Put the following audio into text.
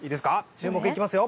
注目いきますよ。